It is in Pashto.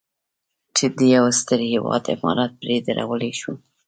چې د یو ستر هېواد عمارت پرې درولی شو.